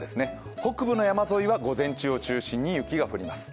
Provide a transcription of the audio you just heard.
北部の山沿いは午前中を中心に雪が降ります。